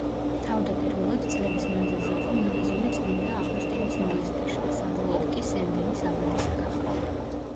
თავდაპირველად წლების მანძილზე იყო მონაზონი წმინდა ავგუსტინეს მონასტერში, საბოლოოდ კი სენ დენის აბატისა გახდა.